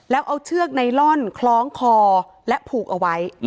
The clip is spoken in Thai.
แล้วเอาเชือกไนลอนคล้องคอและผูกเอาไว้